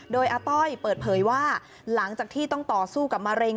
โดยอาต้อยเปิดเผยว่าหลังจากที่ต้องต่อสู้กับมะเร็ง